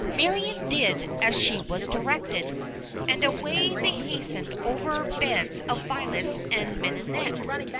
Marion did as she was directed, and away they hastened over beds of Violets and Mignonette.